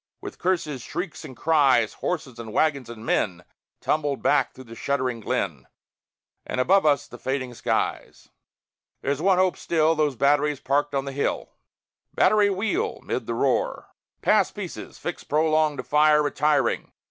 With curses, shrieks, and cries, Horses and wagons and men Tumbled back through the shuddering glen, And above us the fading skies. There's one hope, still, Those batteries parked on the hill! "Battery, wheel!" ('mid the roar), "Pass pieces; fix prolonge to fire Retiring.